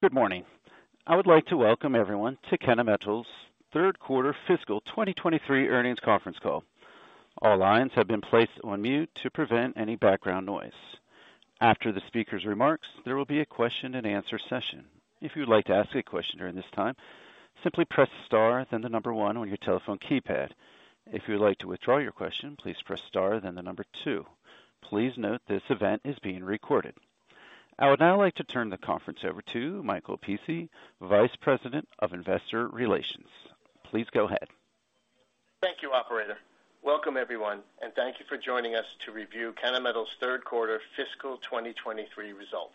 Good morning. I would like to welcome everyone to Kennametal's Third Quarter Fiscal 2023 Earnings Conference Call. All lines have been placed on mute to prevent any background noise. After the speakers' remarks, there will be a question and answer session. If you would like to ask a question during this time, simply press Star, then the number one on your telephone keypad. If you would like to withdraw your question, please press Star, then the number two. Please note this event is being recorded. I would now like to turn the conference over to Michael Pici, Vice President of Investor Relations. Please go ahead. Thank you, operator. Welcome, everyone, and thank you for joining us to review Kennametal's third quarter fiscal 2023 results.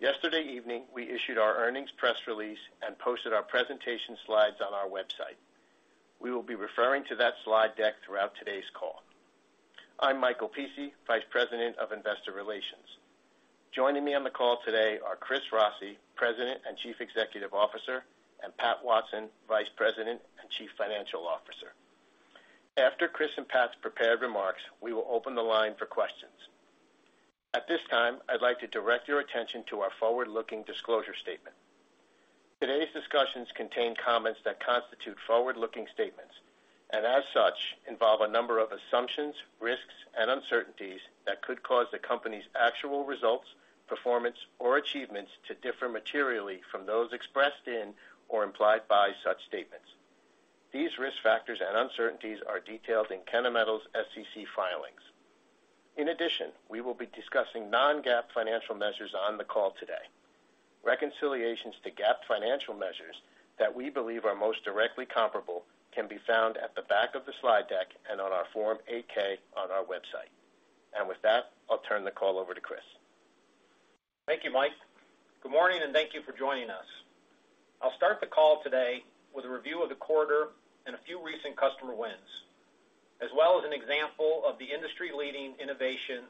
Yesterday evening, we issued our earnings press release and posted our presentation slides on our website. We will be referring to that slide deck throughout today's call. I'm Michael Pici, Vice President of Investor Relations. Joining me on the call today are Chris Rossi, President and Chief Executive Officer, and Pat Watson, Vice President and Chief Financial Officer. After Chris and Pat's prepared remarks, we will open the line for questions. At this time, I'd like to direct your attention to our forward-looking disclosure statement. Today's discussions contain comments that constitute forward-looking statements, and as such, involve a number of assumptions, risks, and uncertainties that could cause the company's actual results, performance, or achievements to differ materially from those expressed in or implied by such statements. These risk factors and uncertainties are detailed in Kennametal's SEC filings. In addition, we will be discussing non-GAAP financial measures on the call today. Reconciliations to GAAP financial measures that we believe are most directly comparable can be found at the back of the slide deck and on our Form 8-K on our website. With that, I'll turn the call over to Chris. Thank you, Mike. Good morning. Thank you for joining us. I'll start the call today with a review of the quarter and a few recent customer wins, as well as an example of the industry-leading innovation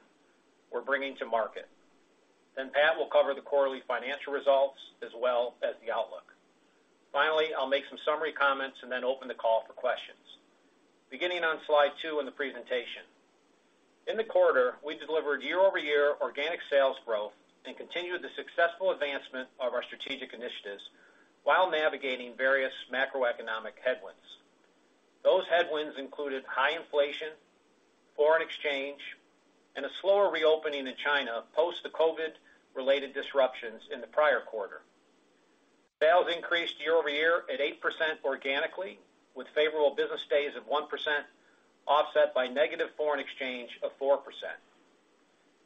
we're bringing to market. Pat will cover the quarterly financial results as well as the outlook. Finally, I'll make some summary comments and then open the call for questions. Beginning on slide 2 in the presentation. In the quarter, we delivered year-over-year organic sales growth and continued the successful advancement of our strategic initiatives while navigating various macroeconomic headwinds. Those headwinds included high inflation, foreign exchange, and a slower reopening in China post the COVID-related disruptions in the prior quarter. Sales increased year-over-year at 8% organically, with favorable business days of 1%, offset by negative foreign exchange of 4%.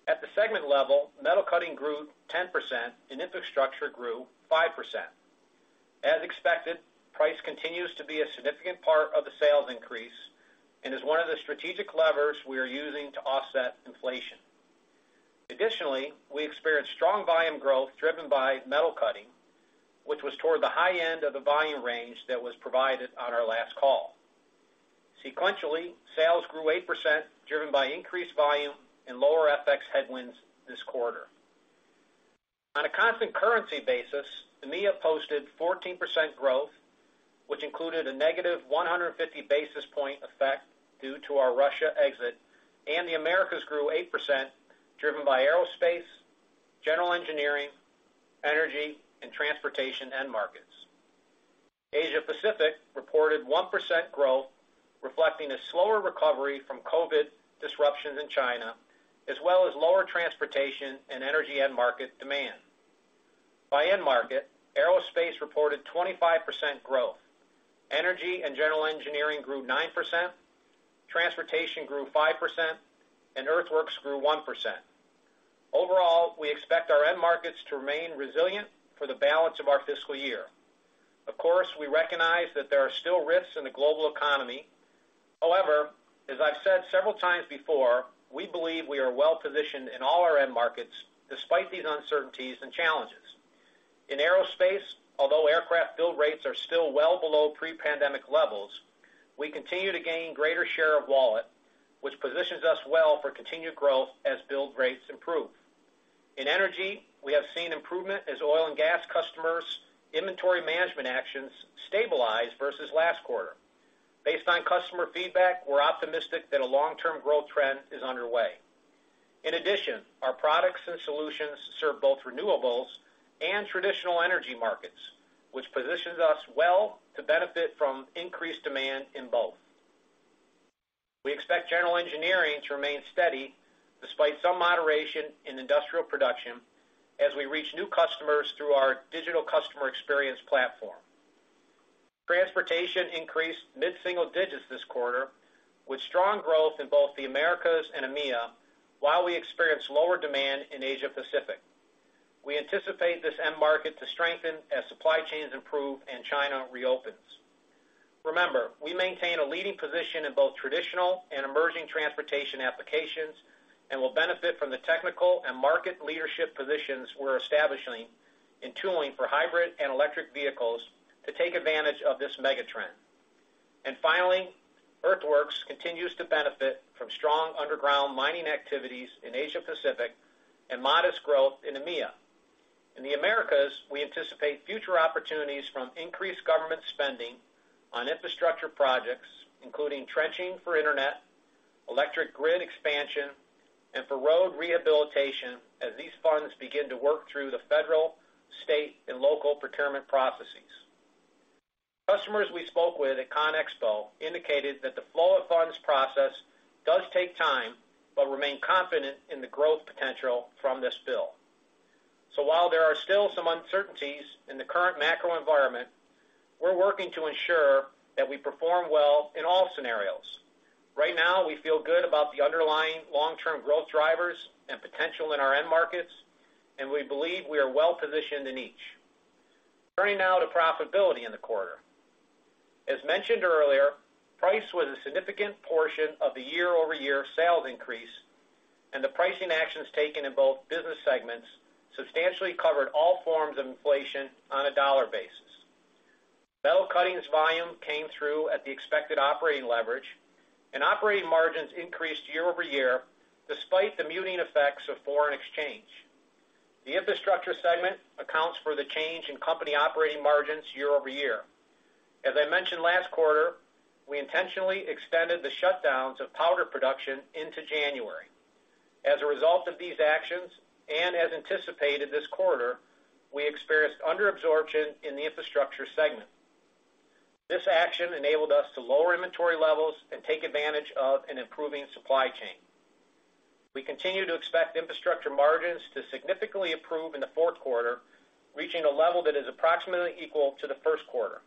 At the segment level, Metal Cutting grew 10%, and Infrastructure grew 5%. As expected, price continues to be a significant part of the sales increase and is one of the strategic levers we are using to offset inflation. Additionally, we experienced strong volume growth driven by Metal Cutting, which was toward the high end of the volume range that was provided on our last call. Sequentially, sales grew 8%, driven by increased volume and lower FX headwinds this quarter. On a constant currency basis, EMEA posted 14% growth, which included a negative 150 basis point effect due to our Russia exit, and the Americas grew 8%, driven by aerospace, general engineering, energy, and transportation end markets. Asia Pacific reported 1% growth, reflecting a slower recovery from COVID disruptions in China, as well as lower transportation and energy end market demand. By end market, aerospace reported 25% growth. Energy and general engineering grew 9%, transportation grew 5%, and earthworks grew 1%. Overall, we expect our end markets to remain resilient for the balance of our fiscal year. Of course, we recognize that there are still risks in the global economy. However, as I've said several times before, we believe we are well-positioned in all our end markets despite these uncertainties and challenges. In aerospace, although aircraft build rates are still well below pre-pandemic levels, we continue to gain greater share of wallet, which positions us well for continued growth as build rates improve. In energy, we have seen improvement as oil and gas customers' inventory management actions stabilize versus last quarter. Based on customer feedback, we're optimistic that a long-term growth trend is underway. In addition, our products and solutions serve both renewables and traditional energy markets, which positions us well to benefit from increased demand in both. We expect General Engineering to remain steady despite some moderation in industrial production as we reach new customers through our digital customer experience platform. Transportation increased mid-single digits this quarter with strong growth in both the Americas and EMEA, while we experienced lower demand in Asia Pacific. We anticipate this end market to strengthen as supply chains improve and China reopens. Remember, we maintain a leading position in both traditional and emerging transportation applications and will benefit from the technical and market leadership positions we're establishing in tooling for hybrid and electric vehicles to take advantage of this mega trend. Finally, Earthworks continues to benefit from strong underground mining activities in Asia Pacific and modest growth in EMEA. In the Americas, we anticipate future opportunities from increased government spending on infrastructure projects, including trenching for internet, electric grid expansion for road rehabilitation as these funds begin to work through the federal, state, and local procurement processes. Customers we spoke with at ConExpo indicated that the flow of funds process does take time, but remain confident in the growth potential from this bill. While there are still some uncertainties in the current macro environment, we're working to ensure that we perform well in all scenarios. Right now, we feel good about the underlying long-term growth drivers and potential in our end markets, and we believe we are well-positioned in each. Turning now to profitability in the quarter. As mentioned earlier, price was a significant portion of the year-over-year sales increase, and the pricing actions taken in both business segments substantially covered all forms of inflation on a dollar basis. Metal Cutting volume came through at the expected operating leverage, and operating margins increased year-over-year despite the muting effects of foreign exchange. The Infrastructure segment accounts for the change in company operating margins year-over-year. As I mentioned last quarter, we intentionally extended the shutdowns of powder production into January. As a result of these actions, and as anticipated this quarter, we experienced under absorption in the Infrastructure segment. This action enabled us to lower inventory levels and take advantage of an improving supply chain. We continue to expect Infrastructure margins to significantly improve in the fourth quarter, reaching a level that is approximately equal to the first quarter.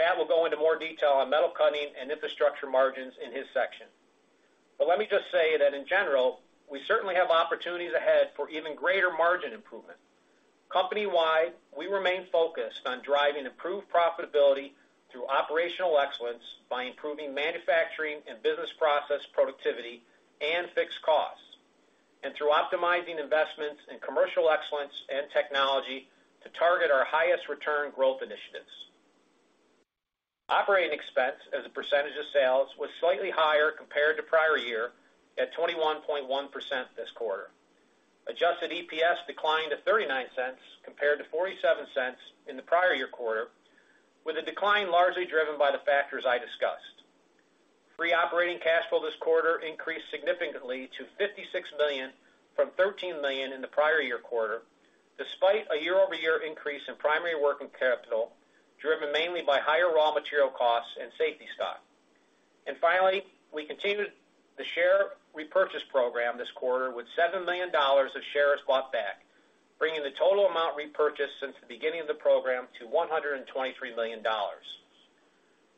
Pat will go into more detail on Metal Cutting and Infrastructure margins in his section. Let me just say that in general, we certainly have opportunities ahead for even greater margin improvement. Company-wide, we remain focused on driving improved profitability through operational excellence by improving manufacturing and business process productivity and fixed costs, and through optimizing investments in commercial excellence and technology to target our highest return growth initiatives. Operating expense as a percentage of sales was slightly higher compared to prior year at 21.1% this quarter. Adjusted EPS declined to $0.39 compared to $0.47 in the prior year quarter, with the decline largely driven by the factors I discussed. Free operating cash flow this quarter increased significantly to $56 million from $13 million in the prior year quarter, despite a year-over-year increase in primary working capital, driven mainly by higher raw material costs and safety stock. Finally, we continued the share repurchase program this quarter with $7 million of shares bought back, bringing the total amount repurchased since the beginning of the program to $123 million.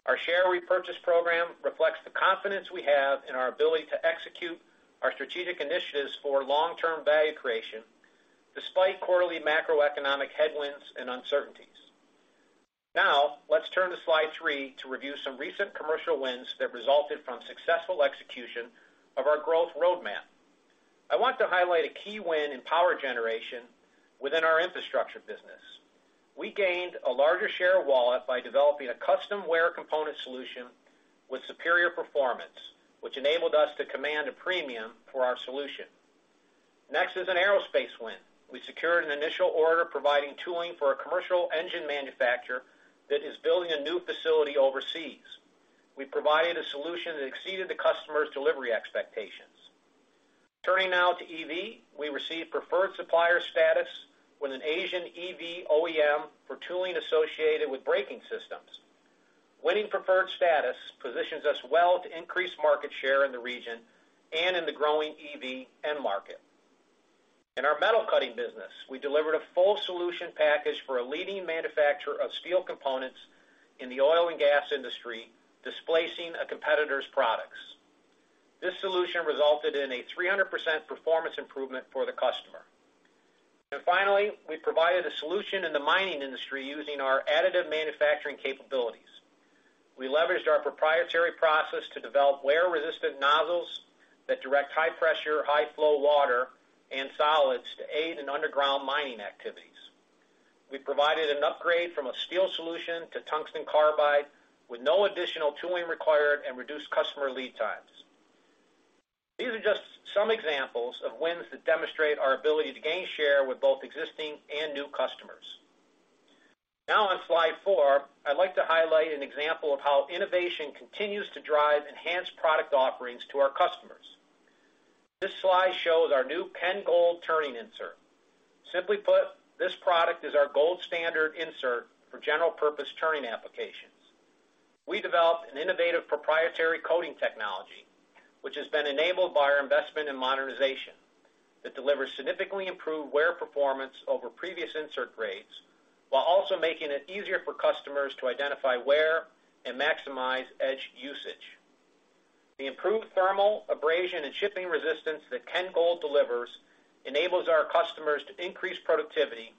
Our share repurchase program reflects the confidence we have in our ability to execute our strategic initiatives for long-term value creation despite quarterly macroeconomic headwinds and uncertainties. Let's turn to slide 3 to review some recent commercial wins that resulted from successful execution of our growth roadmap. I want to highlight a key win in power generation within our Infrastructure business. We gained a larger share of wallet by developing a custom wear component solution with superior performance, which enabled us to command a premium for our solution. Next is an aerospace win. We secured an initial order providing tooling for a commercial engine manufacturer that is building a new facility overseas. We provided a solution that exceeded the customer's delivery expectations. Turning now to EV, we received preferred supplier status with an Asian EV OEM for tooling associated with braking systems. Winning preferred status positions us well to increase market share in the region and in the growing EV end market. In our Metal Cutting business, we delivered a full solution package for a leading manufacturer of steel components in the oil and gas industry, displacing a competitor's products. This solution resulted in a 300% performance improvement for the customer. Finally, we provided a solution in the mining industry using our additive manufacturing capabilities. We leveraged our proprietary process to develop wear-resistant nozzles that direct high pressure, high flow water and solids to aid in underground mining activities. We provided an upgrade from a steel solution to tungsten carbide with no additional tooling required and reduced customer lead times. These are just some examples of wins that demonstrate our ability to gain share with both existing and new customers. Now on slide 4, I'd like to highlight an example of how innovation continues to drive enhanced product offerings to our customers. This slide shows our new KENGold turning insert. Simply put, this product is our gold standard insert for general purpose turning applications. We developed an innovative proprietary coating technology, which has been enabled by our investment in modernization, that delivers significantly improved wear performance over previous insert grades, while also making it easier for customers to identify wear and maximize edge usage. The improved thermal, abrasion, and shipping resistance that KENGold delivers enables our customers to increase productivity,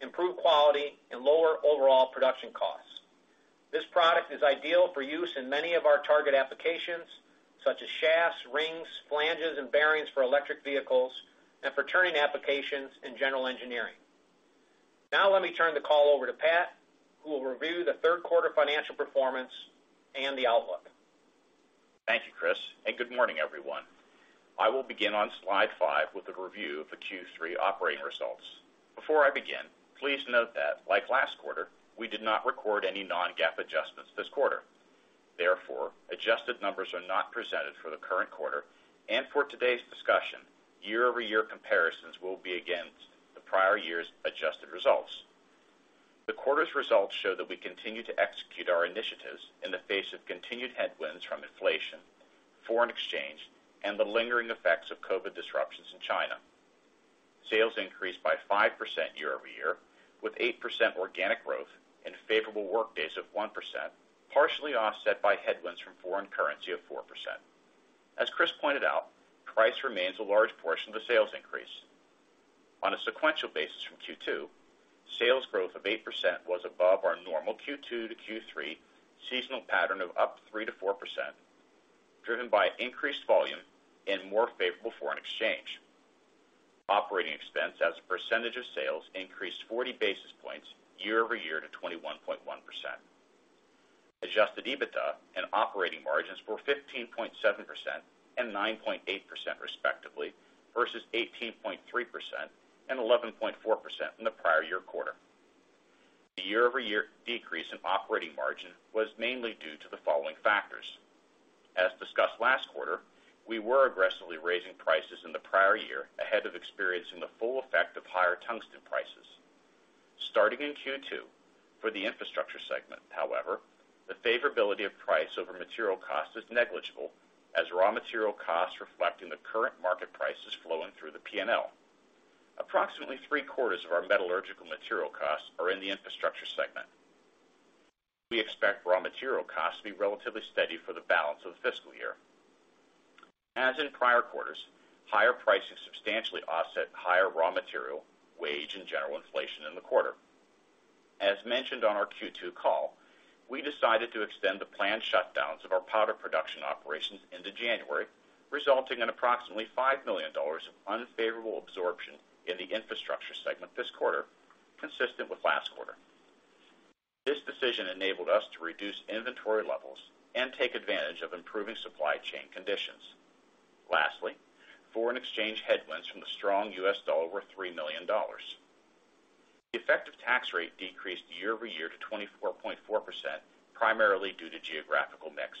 improve quality, and lower overall production costs. This product is ideal for use in many of our target applications, such as shafts, rings, flanges, and bearings for electric vehicles and for turning applications in general engineering. Now let me turn the call over to Pat, who will review the third quarter financial performance and the outlook. Thank you, Chris. Good morning, everyone. I will begin on slide 5 with a review of the Q3 operating results. Before I begin, please note that, like last quarter, we did not record any non-GAAP adjustments this quarter. Therefore, adjusted numbers are not presented for the current quarter. For today's discussion, year-over-year comparisons will be against the prior year's adjusted results. The quarter's results show that we continue to execute our initiatives in the face of continued headwinds from inflation, foreign exchange, and the lingering effects of COVID disruptions in China. Sales increased by 5% year-over-year, with 8% organic growth and favorable workdays of 1%, partially offset by headwinds from foreign currency of 4%. As Chris pointed out, price remains a large portion of the sales increase. On a sequential basis from Q2, sales growth of 8% was above our normal Q2 to Q3 seasonal pattern of up 3%-4%, driven by increased volume and more favorable foreign exchange. Operating expense as a percentage of sales increased 40 basis points year-over-year to 21.1%. Adjusted EBITDA and operating margins were 15.7% and 9.8% respectively, versus 18.3% and 11.4% in the prior year quarter. The year-over-year decrease in operating margin was mainly due to the following factors. As discussed last quarter, we were aggressively raising prices in the prior year ahead of experiencing the full effect of higher tungsten prices. Starting in Q2 for the Infrastructure segment, however, the favorability of price over material cost is negligible as raw material costs reflect in the current market prices flowing through the P&L. Approximately three-quarters of our metallurgical material costs are in the Infrastructure segment. We expect raw material costs to be relatively steady for the balance of the fiscal year. As in prior quarters, higher pricing substantially offset higher raw material, wage, and general inflation in the quarter. As mentioned on our Q2 call, we decided to extend the planned shutdowns of our powder production operations into January, resulting in approximately $5 million of unfavorable absorption in the Infrastructure segment this quarter, consistent with last quarter. This decision enabled us to reduce inventory levels and take advantage of improving supply chain conditions. Lastly, foreign exchange headwinds from the strong U.S. dollar were $3 million. The effective tax rate decreased year-over-year to 24.4%, primarily due to geographical mix.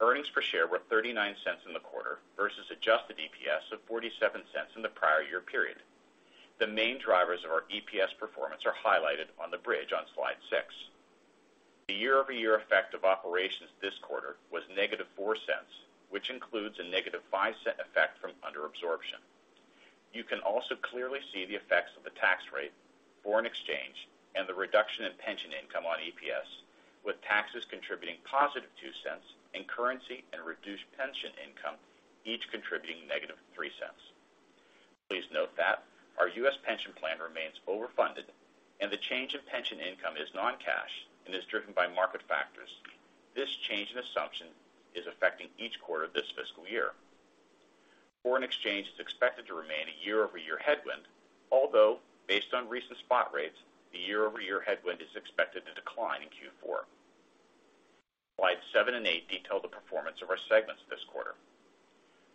Earnings per share were $0.39 in the quarter versus adjusted EPS of $0.47 in the prior year period. The main drivers of our EPS performance are highlighted on the bridge on slide 6. The year-over-year effect of operations this quarter was negative $0.04, which includes a negative $0.05 effect from under absorption. You can also clearly see the effects of the tax rate, foreign exchange, and the reduction in pension income on EPS, with taxes contributing positive $0.02 and currency and reduced pension income each contributing negative $0.03. Please note that our U.S. pension plan remains overfunded and the change in pension income is non-cash and is driven by market factors. This change in assumption is affecting each quarter this fiscal year. Foreign exchange is expected to remain a year-over-year headwind, although based on recent spot rates, the year-over-year headwind is expected to decline in Q4. Slide 7 and 8 detail the performance of our segments this quarter.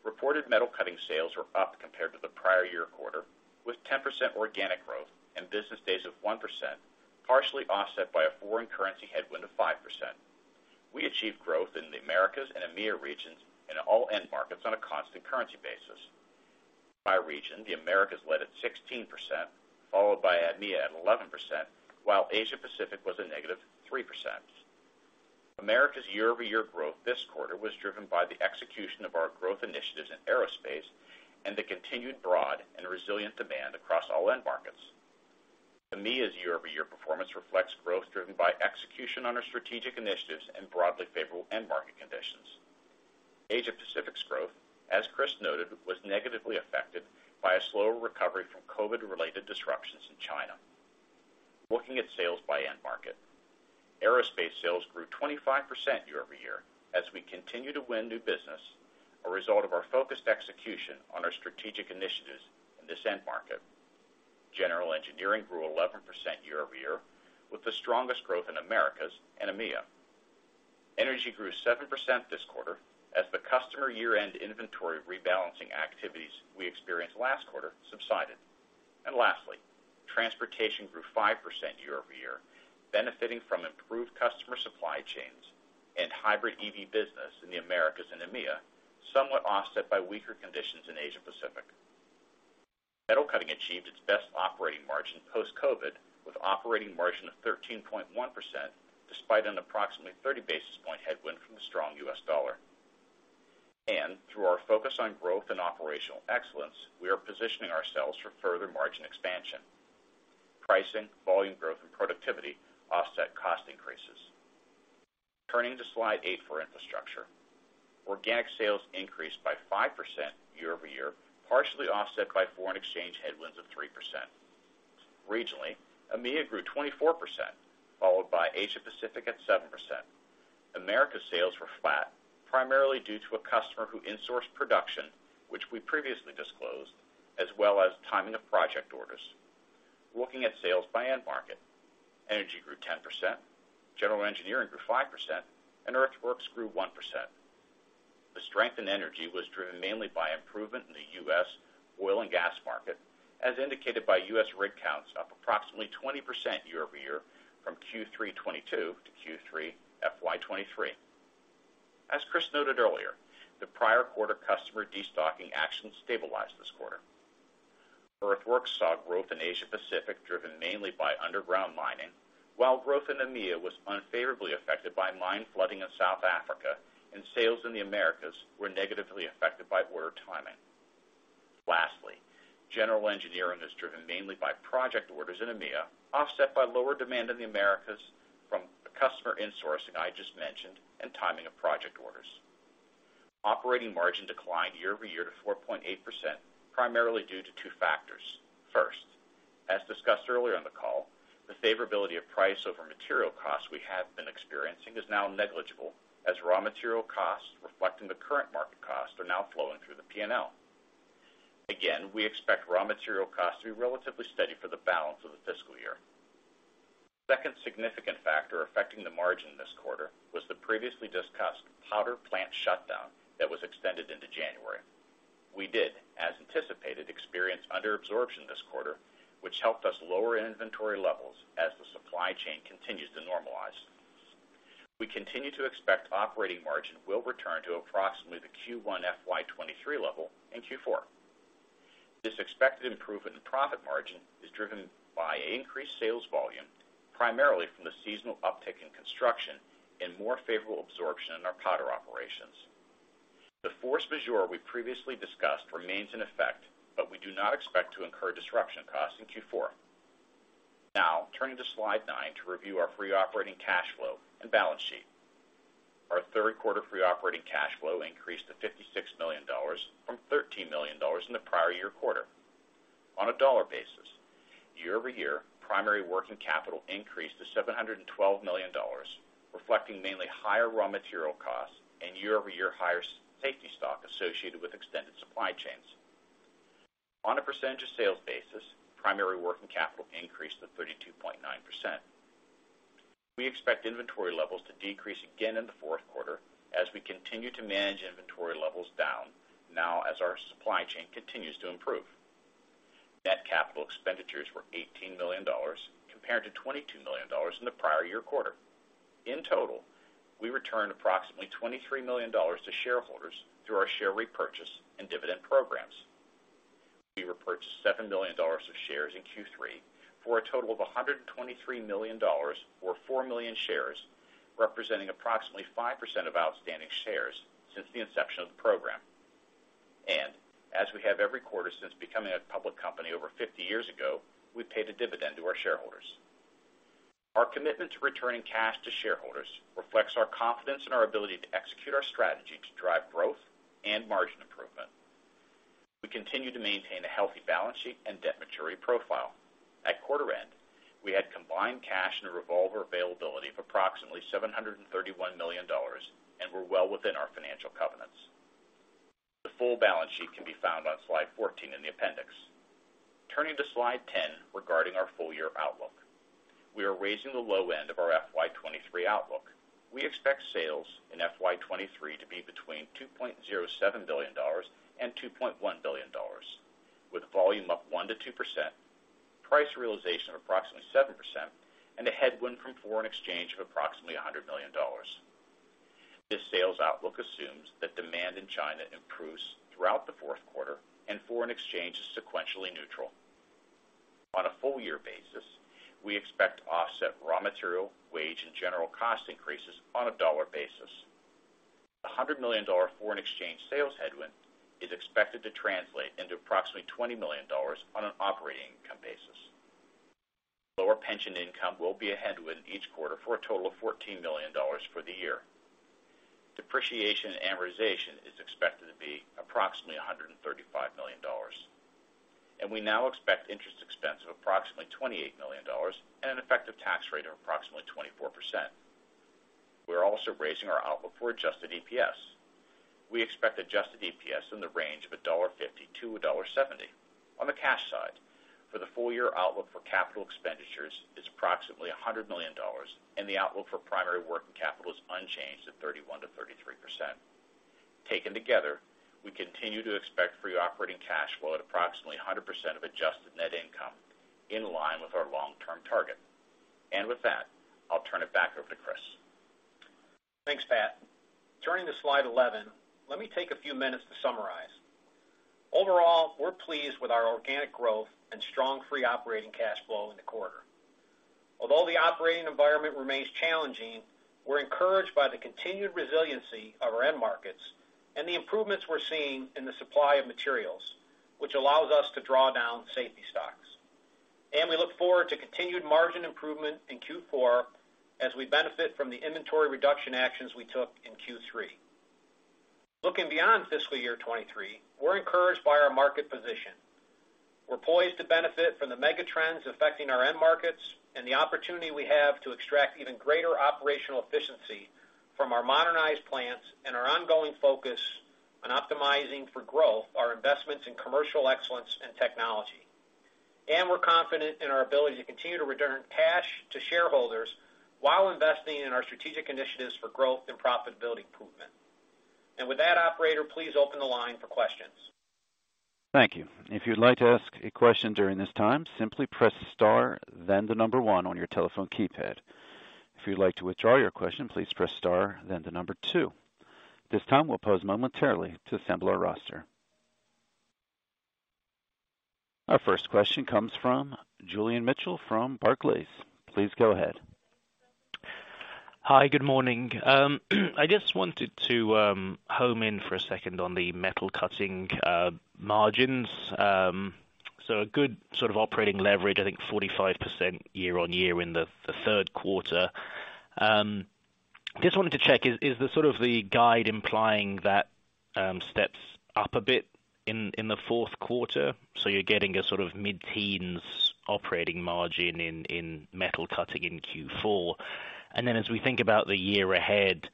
Reported Metal Cutting sales were up compared to the prior year quarter, with 10% organic growth and business days of 1%, partially offset by a foreign currency headwind of 5%. We achieved growth in the Americas and EMEA regions in all end markets on a constant currency basis. By region, the Americas led at 16%, followed by EMEA at 11%, while Asia Pacific was a negative 3%. America's year-over-year growth this quarter was driven by the execution of our growth initiatives in aerospace and the continued broad and resilient demand across all end markets. EMEA's year-over-year performance reflects growth driven by execution on our strategic initiatives and broadly favorable end market conditions. Asia Pacific's growth, as Chris noted, was negatively affected by a slower recovery from COVID-related disruptions in China. Looking at sales by end market, aerospace sales grew 25% year-over-year as we continue to win new business, a result of our focused execution on our strategic initiatives in this end market. General Engineering grew 11% year-over-year, with the strongest growth in Americas and EMEA. Energy grew 7% this quarter as the customer year-end inventory rebalancing activities we experienced last quarter subsided. Lastly, Transportation grew 5% year-over-year, benefiting from improved customer supply chains and hybrid EV business in the Americas and EMEA, somewhat offset by weaker conditions in Asia Pacific. Metal Cutting achieved its best operating margin post-COVID with operating margin of 13.1% despite an approximately 30 basis point headwind from the strong U.S. dollar. Through our focus on growth and operational excellence, we are positioning ourselves for further margin expansion. Pricing, volume growth, and productivity offset cost increases. Turning to slide 8 for Infrastructure. Organic sales increased by 5% year-over-year, partially offset by foreign exchange headwinds of 3%. Regionally, EMEA grew 24%, followed by Asia Pacific at 7%. America sales were flat, primarily due to a customer who insourced production, which we previously disclosed, as well as timing of project orders. Looking at sales by end market, energy grew 10%, general engineering grew 5%, and earthworks grew 1%. The strength in energy was driven mainly by improvement in the U.S. oil and gas market, as indicated by U.S. rig counts up approximately 20% year-over-year from Q3 2022 to Q3 FY 2023. As Chris noted earlier, the prior quarter customer destocking actions stabilized this quarter. Earthworks saw growth in Asia Pacific, driven mainly by underground mining, while growth in EMEA was unfavorably affected by mine flooding in South Africa. Sales in the Americas were negatively affected by order timing. Lastly, general engineering is driven mainly by project orders in EMEA, offset by lower demand in the Americas from the customer insourcing I just mentioned and timing of project orders. Operating margin declined year-over-year to 4.8% primarily due to two factors. First, as discussed earlier on the call, the favorability of price over material costs we have been experiencing is now negligible, as raw material costs reflecting the current market costs are now flowing through the P&L. Again, we expect raw material costs to be relatively steady for the balance of the fiscal year. Second significant factor affecting the margin this quarter was the previously discussed powder plant shutdown that was extended into January. We did, as anticipated, experience under absorption this quarter, which helped us lower inventory levels as the supply chain continues to normalize. We continue to expect operating margin will return to approximately the Q1 FY 2023 level in Q4. This expected improvement in profit margin is driven by increased sales volume, primarily from the seasonal uptick in construction and more favorable absorption in our powder operations. The force majeure we previously discussed remains in effect, but we do not expect to incur disruption costs in Q4. Turning to slide 9 to review our free operating cash flow and balance sheet. Our third quarter free operating cash flow increased to $56 million from $13 million in the prior year quarter. On a dollar basis, year-over-year primary working capital increased to $712 million, reflecting mainly higher raw material costs and year-over-year higher safety stock associated with extended supply chains. On a percentage of sales basis, primary working capital increased to 32.9%. We expect inventory levels to decrease again in the fourth quarter as we continue to manage inventory levels down now as our supply chain continues to improve. Net capital expenditures were $18 million compared to $22 million in the prior year quarter. In total, we returned approximately $23 million to shareholders through our share repurchase and dividend programs. We repurchased $7 million of shares in Q3 for a total of $123 million, or 4 million shares, representing approximately 5% of outstanding shares since the inception of the program. As we have every quarter since becoming a public company over 50 years ago, we paid a dividend to our shareholders. Our commitment to returning cash to shareholders reflects our confidence in our ability to execute our strategy to drive growth and margin improvement. We continue to maintain a healthy balance sheet and debt maturity profile. At quarter end, we had combined cash and a revolver availability of approximately $731 million and were well within our financial covenants. The full balance sheet can be found on slide 14 in the appendix. Turning to slide 10 regarding our full year outlook. We are raising the low end of our FY 2023 outlook. We expect sales in FY 2023 to be between $2.07 billion and $2.1 billion, with volume up 1%-2%, price realization of approximately 7%, and a headwind from foreign exchange of approximately $100 million. This sales outlook assumes that demand in China improves throughout the fourth quarter and foreign exchange is sequentially neutral. On a full year basis, we expect to offset raw material, wage, and general cost increases on a dollar basis. $100 million foreign exchange sales headwind is expected to translate into approximately $20 million on an operating income basis. Lower pension income will be a headwind in each quarter for a total of $14 million for the year. Depreciation and amortization is expected to be approximately $135 million. We now expect interest expense of approximately $28 million and an effective tax rate of approximately 24%. We're also raising our outlook for adjusted EPS. We expect adjusted EPS in the range of $1.50-$1.70. On the cash side, for the full year outlook for capital expenditures is approximately $100 million, and the outlook for primary working capital is unchanged at 31%-33%. Taken together, we continue to expect free operating cash flow at approximately 100% of adjusted net income in line with our long-term target. With that, I'll turn it back over to Chris. Thanks, Pat. Turning to slide 11, let me take a few minutes to summarize. Overall, we're pleased with our organic growth and strong free operating cash flow in the quarter. Although the operating environment remains challenging, we're encouraged by the continued resiliency of our end markets and the improvements we're seeing in the supply of materials, which allows us to draw down safety stocks. We look forward to continued margin improvement in Q4 as we benefit from the inventory reduction actions we took in Q3. Looking beyond FY 2023, we're encouraged by our market position. We're poised to benefit from the mega trends affecting our end markets and the opportunity we have to extract even greater operational efficiency from our modernized plants and our ongoing focus on optimizing for growth, our investments in commercial excellence and technology. We're confident in our ability to continue to return cash to shareholders while investing in our strategic initiatives for growth and profitability improvement. With that, operator, please open the line for questions. Thank you. If you'd like to ask a question during this time, simply press star then the 1 on your telephone keypad. If you'd like to withdraw your question, please press star then the 2. This time we'll pause momentarily to assemble our roster. Our first question comes from Julian Mitchell from Barclays. Please go ahead. Good morning. I just wanted to home in for a second on the Metal Cutting margins. A good sort of operating leverage, I think 45% year-over-year in the third quarter. Just wanted to check, is the sort of the guide implying that steps up a bit in the fourth quarter? You're getting a sort of mid-teens operating margin in Metal Cutting in Q4. As we think about the year ahead,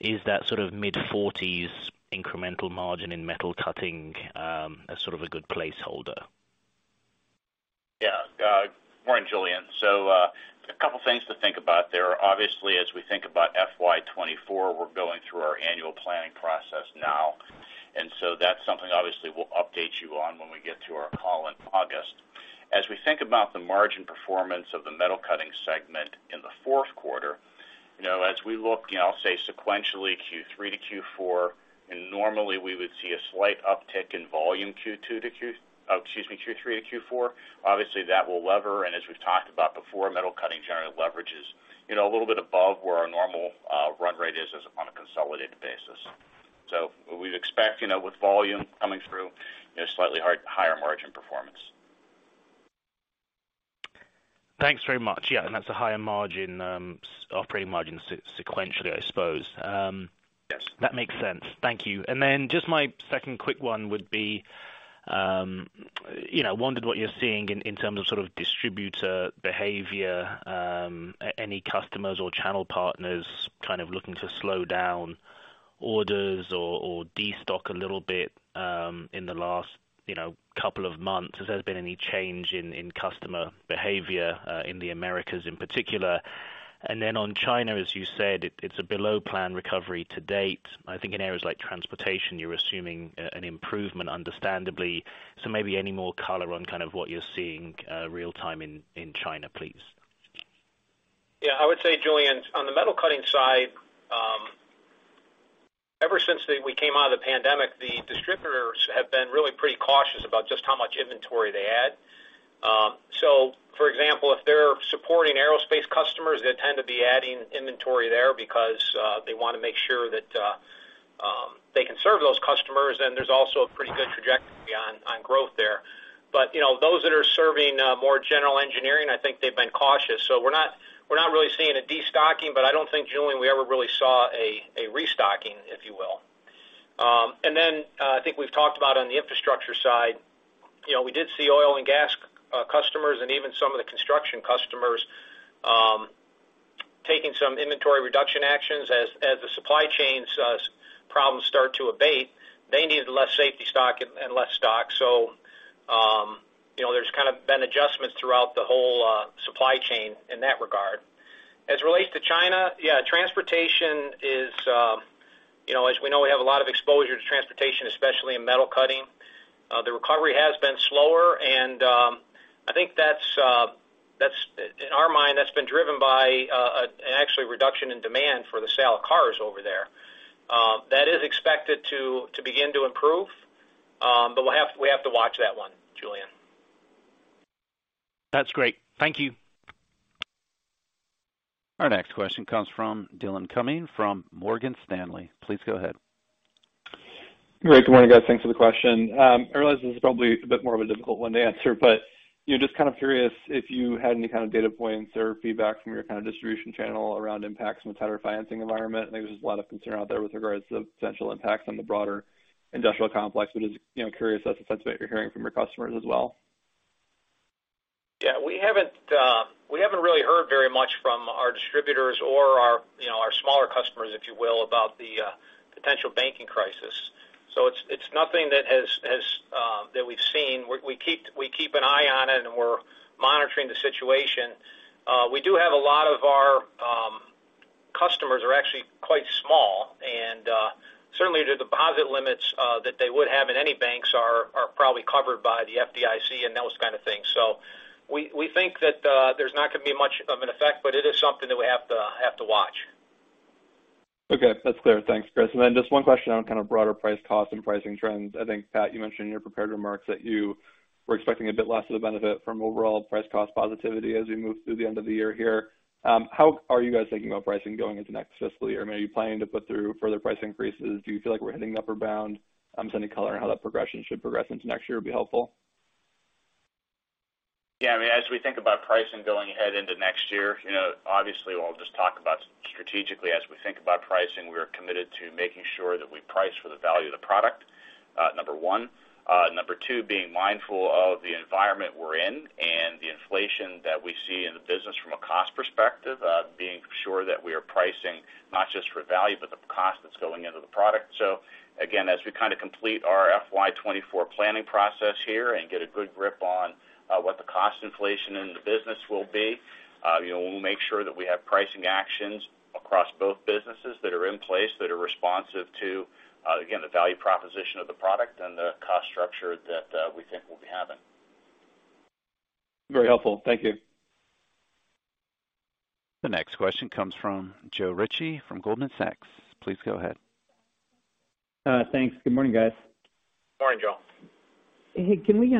is that sort of mid-forties incremental margin in Metal Cutting a sort of a good placeholder? Morning, Julian. A couple things to think about there. Obviously, as we think about FY 2024, we're going through our annual planning process now, that's something obviously we'll update you on when we get to our call in August. As we think about the margin performance of the Metal Cutting segment in the fourth quarter, you know, as we look, you know, I'll say sequentially Q3 to Q4. Obviously, that will lever, as we've talked about before, Metal Cutting generally leverages, you know, a little bit above where our normal run rate is as on a consolidated basis. What we'd expect, you know, with volume coming through is slightly higher margin performance. Thanks very much. Yeah, that's a higher margin, operating margin sequentially, I suppose. Yes. That makes sense. Thank you. Just my second quick one would be, you know, wondered what you're seeing in terms of sort of distributor behavior, any customers or channel partners kind of looking to slow down orders or destock a little bit, in the last, you know, couple of months. Has there been any change in customer behavior in the Americas in particular? On China, as you said, it's a below plan recovery to date. I think in areas like transportation, you're assuming an improvement understandably. Maybe any more color on kind of what you're seeing real time in China, please. Yeah. I would say, Julian, on the Metal Cutting side, ever since we came out of the pandemic, the distributors have been really pretty cautious about just how much inventory they had. For example, if they're supporting aerospace customers, they tend to be adding inventory there because they wanna make sure that they can serve those customers, and there's also a pretty good trajectory on growth there. You know, those that are serving more General Engineering, I think they've been cautious. We're not, we're not really seeing a destocking, but I don't think, Julian, we ever really saw a restocking, if you will. I think we've talked about on the Infrastructure side, you know, we did see oil and gas customers and even some of the construction customers taking some inventory reduction actions. As the supply chain's problems start to abate, they needed less safety stock and less stock. You know, there's kind of been adjustments throughout the whole supply chain in that regard. As it relates to China, yeah, transportation is, you know, as we know, we have a lot of exposure to transportation, especially in Metal Cutting. The recovery has been slower, and I think that's In our mind, that's been driven by an actually reduction in demand for the sale of cars over there. That is expected to begin to improve, but we have to watch that one, Julian. That's great. Thank you. Our next question comes from Dillon Cumming from Morgan Stanley. Please go ahead. Great. Good morning, guys. Thanks for the question. I realize this is probably a bit more of a difficult one to answer, but, you know, just kind of curious if you had any kind of data points or feedback from your kind of distribution channel around impacts from the tighter financing environment. I think there's a lot of concern out there with regards to the potential impacts on the broader industrial complex, but just, you know, curious as to the sense of what you're hearing from your customers as well. We haven't really heard very much from our distributors or our, you know, our smaller customers, if you will, about the potential banking crisis. It's nothing that has that we've seen. We keep an eye on it, and we're monitoring the situation. We do have a lot of our customers are actually quite small, and certainly the deposit limits that they would have in any banks are probably covered by the FDIC and those kind of things. We think that there's not gonna be much of an effect, but it is something that we have to watch. Okay. That's clear. Thanks, Chris. Just one question on kind of broader price cost and pricing trends. I think, Pat, you mentioned in your prepared remarks that you were expecting a bit less of the benefit from overall price cost positivity as we move through the end of the year here. How are you guys thinking about pricing going into next fiscal year? Maybe planning to put through further price increases? Do you feel like we're hitting the upper bound? Sending color on how that progression should progress into next year would be helpful. I mean, as we think about pricing going ahead into next year, you know, obviously, we'll just talk about strategically as we think about pricing, we're committed to making sure that we price for the value of the product. Number one. Number two, being mindful of the environment we're in and the inflation that we see in the business from a cost perspective, being sure that we are pricing not just for value but the cost that's going into the product. Again, as we kind of complete our FY 2024 planning process here and get a good grip on what the cost inflation in the business will be, you know, we'll make sure that we have pricing actions across both businesses that are in place that are responsive to again, the value proposition of the product and the cost structure that we think we'll be having. Very helpful. Thank you. The next question comes from Joe Ritchie from Goldman Sachs. Please go ahead. Thanks. Good morning, guys. Morning, Joe. Hey, can we,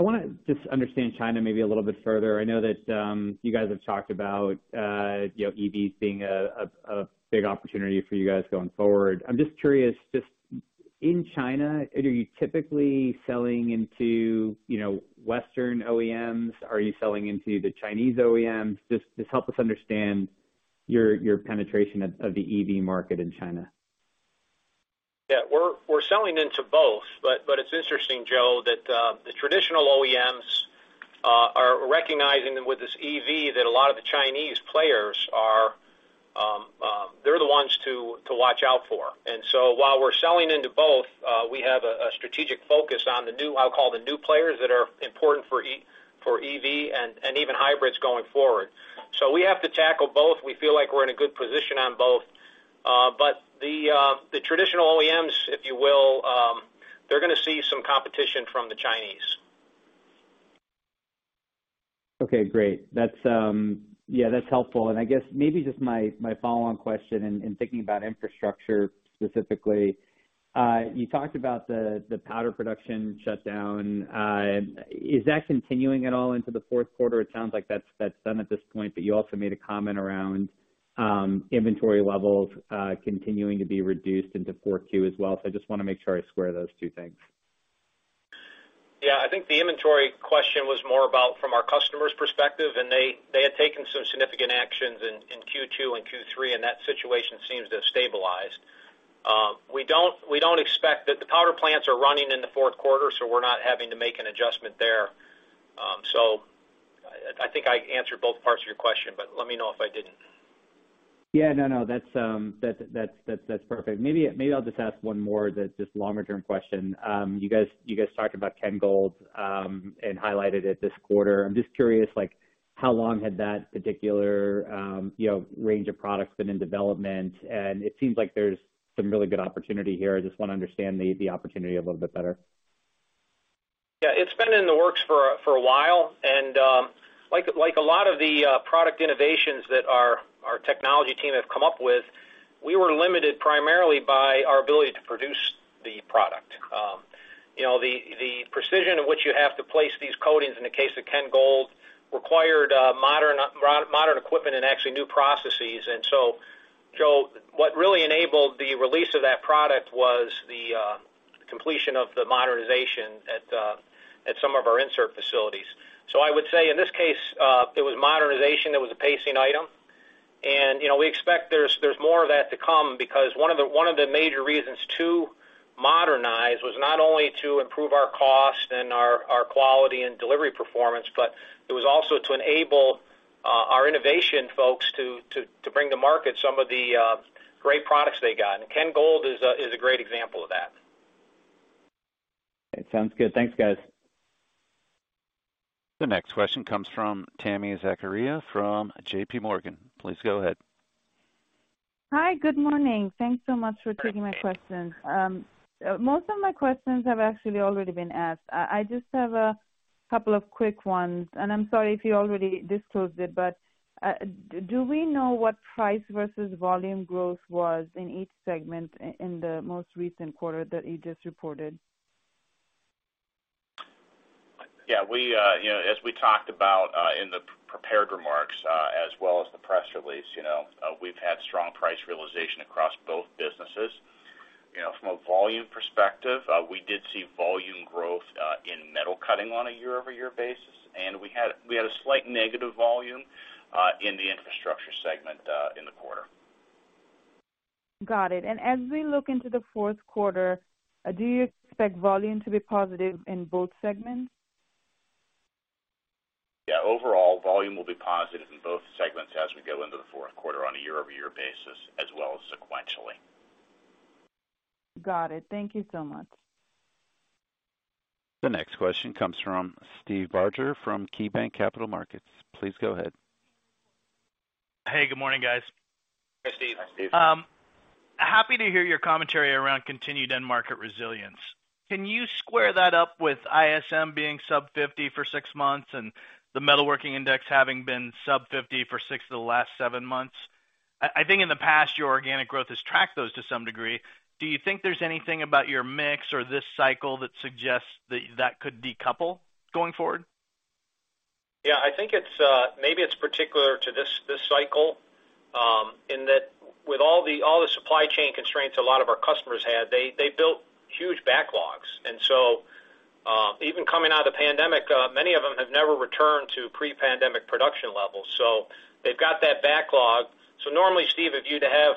I want to just understand China maybe a little bit further. I know that, you guys have talked about, you know, EV being a big opportunity for you guys going forward. I'm just curious, just in China, are you typically selling into, you know, Western OEMs? Are you selling into the Chinese OEMs? Just help us understand your penetration of the EV market in China. Yeah. We're selling into both. It's interesting, Joe, that the traditional OEMs are recognizing that with this EV that a lot of the Chinese players are they're the ones to watch out for. While we're selling into both, we have a strategic focus on the new, I'll call the new players that are important for EV and even hybrids going forward. We have to tackle both. We feel like we're in a good position on both. The traditional OEMs, if you will, they're gonna see some competition from the Chinese. Okay, great. That's, yeah, that's helpful. I guess maybe just my follow-on question in thinking about Infrastructure specifically, you talked about the powder production shutdown. Is that continuing at all into the fourth quarter? It sounds like that's done at this point, but you also made a comment around inventory levels continuing to be reduced into 4Q as well. I just wanna make sure I square those two things. Yeah. I think the inventory question was more about from our customer's perspective, and they had taken some significant actions in Q2 and Q3, and that situation seems to have stabilized. We don't expect that the powder plants are running in the fourth quarter, so we're not having to make an adjustment there. I think I answered both parts of your question, but let me know if I didn't. Yeah, no. That's perfect. Maybe I'll just ask one more that's just longer term question. You guys talked about KENGold and highlighted it this quarter. I'm just curious, like, how long had that particular, you know, range of products been in development? It seems like there's some really good opportunity here. I just wanna understand the opportunity a little bit better. Yeah. It's been in the works for a while. Like a lot of the product innovations that our technology team have come up with, we were limited primarily by our ability to produce the product. You know, the precision in which you have to place these coatings in the case of KENGold required modern equipment and actually new processes. Joe, what really enabled the release of that product was the completion of the modernization at some of our insert facilities. I would say in this case, it was modernization, it was a pacing item. You know, we expect there's more of that to come because one of the major reasons to modernize was not only to improve our cost and our quality and delivery performance, but it was also to enable our innovation folks to bring to market some of the great products they got. KENGold is a great example of that. It sounds good. Thanks, guys. The next question comes from Tami Zakaria from JPMorgan. Please go ahead. Hi. Good morning. Thanks so much for taking my questions. Most of my questions have actually already been asked. I just have a couple of quick ones, and I'm sorry if you already disclosed it, but do we know what price versus volume growth was in each segment in the most recent quarter that you just reported? Yeah. We, you know, as we talked about, in the prepared remarks, as well as the press release, you know, we've had strong price realization across both businesses. You know, from a volume perspective, we did see volume growth, in Metal Cutting on a year-over-year basis, and we had a slight negative volume, in the Infrastructure segment, in the quarter. Got it. As we look into the fourth quarter, do you expect volume to be positive in both segments? Overall, volume will be positive in both segments as we go into the fourth quarter on a year-over-year basis as well as sequentially. Got it. Thank you so much. The next question comes from Steve Barger from KeyBanc Capital Markets. Please go ahead. Hey, good morning, guys. Hey, Steve. Happy to hear your commentary around continued end market resilience. Can you square that up with ISM being sub-50 for six months and the Metalworking index having been sub-50 for six of the last seven months? I think in the past, your organic growth has tracked those to some degree. Do you think there's anything about your mix or this cycle that suggests that that could decouple going forward? Yeah. I think it's, maybe it's particular to this cycle, in that with all the supply chain constraints a lot of our customers had, they built huge backlogs. Even coming out of the pandemic, many of them have never returned to pre-pandemic production levels, so they've got that backlog. Normally, Steve, if you'd have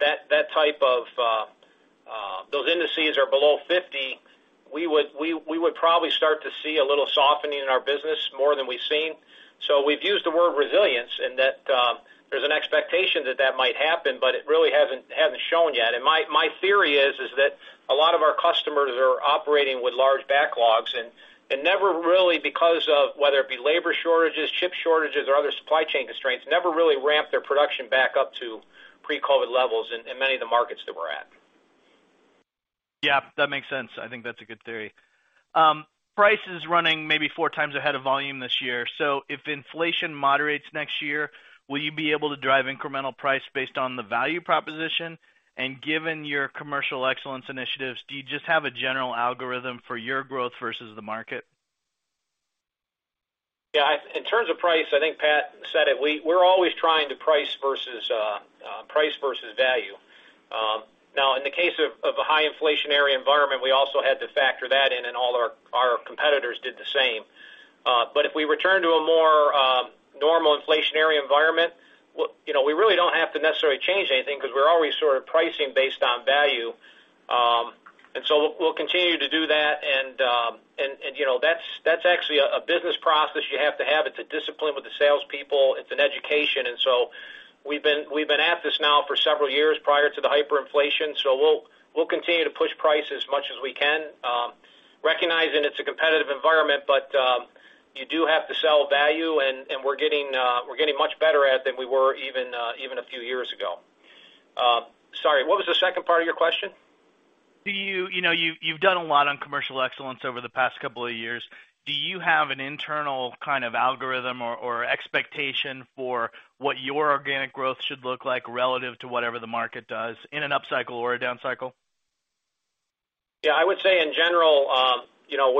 that type of those indices are below 50, we would probably start to see a little softening in our business more than we've seen. We've used the word resilience in that there's an expectation that that might happen, but it really hasn't shown yet. My theory is that a lot of our customers are operating with large backlogs and never really because of whether it be labor shortages, chip shortages, or other supply chain constraints, never really ramp their production back up to pre-COVID levels in many of the markets that we're at. Yeah, that makes sense. I think that's a good theory. Price is running maybe 4x ahead of volume this year. If inflation moderates next year, will you be able to drive incremental price based on the value proposition? Given your commercial excellence initiatives, do you just have a general algorithm for your growth versus the market? Yeah. In terms of price, I think Pat said it, we're always trying to price versus price versus value. Now in the case of a high inflationary environment, we also had to factor that in and all our competitors did the same. If we return to a more normal inflationary environment, well, you know, we really don't have to necessarily change anything because we're already sort of pricing based on value. We'll continue to do that. You know, that's actually a business process you have to have. It's a discipline with the salespeople. It's an education. We've been at this now for several years prior to the hyperinflation. We'll continue to push price as much as we can, recognizing it's a competitive environment, but you do have to sell value, and we're getting much better at than we were even a few years ago. Sorry, what was the second part of your question? You know, you've done a lot on commercial excellence over the past couple of years. Do you have an internal kind of algorithm or expectation for what your organic growth should look like relative to whatever the market does in an upcycle or a downcycle? Yeah. I would say in general, you know,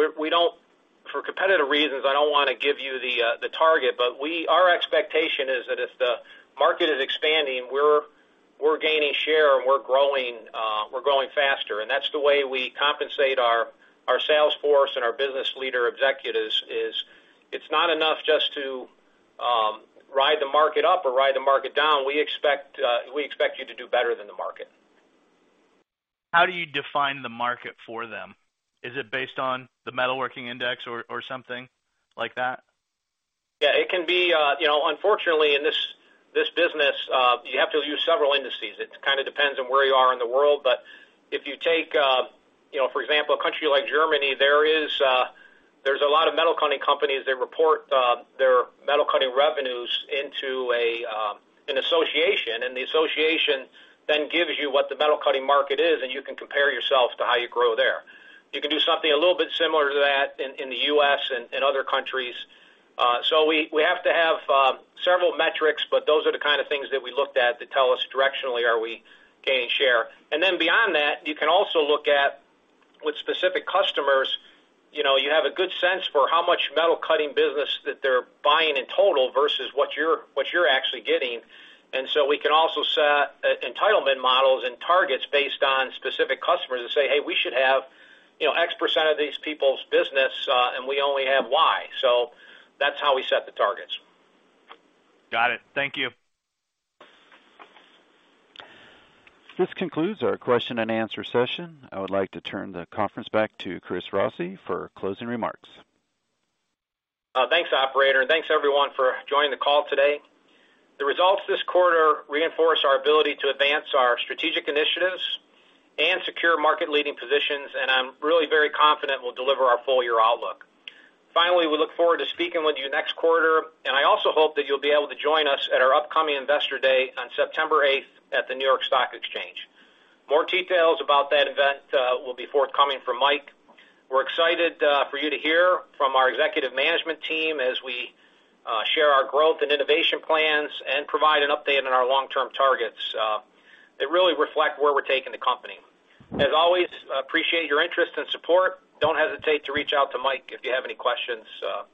for competitive reasons, I don't wanna give you the target, our expectation is that if the market is expanding, we're gaining share and we're growing faster. That's the way we compensate our sales force and our business leader executives is it's not enough just to ride the market up or ride the market down. We expect you to do better than the market. How do you define the market for them? Is it based on the Metalworking index or something like that? Yeah, it can be, you know, unfortunately in this business, you have to use several indices. It kind of depends on where you are in the world. If you take, you know, for example, a country like Germany, there is, there's a lot of Metal Cutting companies that report, their Metal Cutting revenues into an association, and the association then gives you what the Metal Cutting market is, and you can compare yourself to how you grow there. You can do something a little bit similar to that in the U.S. and other countries. We, we have to have, several metrics, but those are the kind of things that we looked at that tell us directionally, are we gaining share. Beyond that, you can also look at with specific customers, you know, you have a good sense for how much Metal Cutting business that they're buying in total versus what you're actually getting. We can also set entitlement models and targets based on specific customers and say, "Hey, we should have, you know, X percent of these people's business, and we only have Y." That's how we set the targets. Got it. Thank you. This concludes our question and answer session. I would like to turn the conference back to Chris Rossi for closing remarks. Thanks, operator. Thanks everyone for joining the call today. The results this quarter reinforce our ability to advance our strategic initiatives and secure market leading positions. I'm really very confident we'll deliver our full year outlook. We look forward to speaking with you next quarter. I also hope that you'll be able to join us at our upcoming Investor Day on September eighth at the New York Stock Exchange. More details about that event will be forthcoming from Mike. We're excited for you to hear from our executive management team as we share our growth and innovation plans and provide an update on our long-term targets that really reflect where we're taking the company. Appreciate your interest and support. Don't hesitate to reach out to Mike if you have any questions.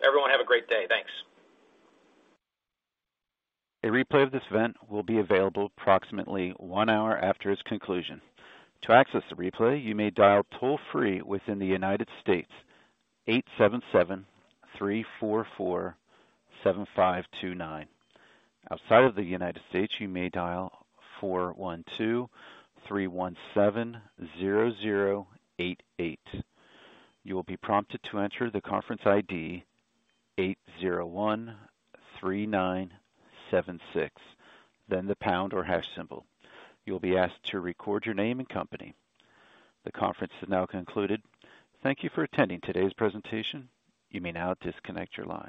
Everyone, have a great day. Thanks. A replay of this event will be available approximately one hour after its conclusion. To access the replay, you may dial toll-free within the United States, 877-344-7529. Outside of the United States, you may dial 412-317-0088. You will be prompted to enter the conference ID, 8013976, then the pound or hash symbol. You will be asked to record your name and company. The conference is now concluded. Thank you for attending today's presentation. You may now disconnect your line.